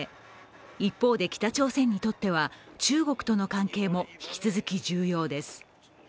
一方で、北朝鮮にとっては中国との関係も引き続き重要です。